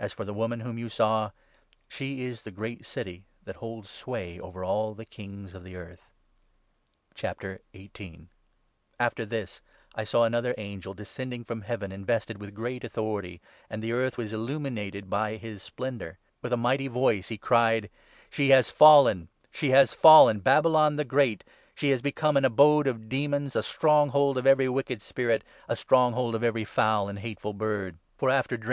As for the woman whom 18 you saw, she is the great city that holds sway over all the kings of the earth.' After this I saw another angel, descending from Heaven, i invested with great authority ; and the earth was illuminated by his splendour. With a mighty voice he cried —' She has 2 fallen ! She has fallen — Babylon the Great ! She has become .'in abode of demons, a stronghold of every wicked spirit, a stronghold of every foul and hateful bird. l<or, after drinking 3 * 8 Dan. 4. 30. « Dan. 7.3; la. i ; Ps. &).